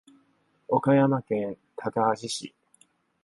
岡山県高梁市